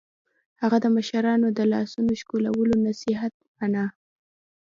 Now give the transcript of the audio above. هغه د مشرانو د لاسونو ښکلولو نصیحت مانه